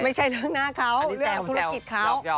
ไม่ใช่เรื่องหน้าเขาเรื่องของธุรกิจเขา